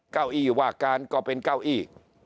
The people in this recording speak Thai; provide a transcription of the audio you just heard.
เก้าอี้ว่าการก็เป็นเก้าอี้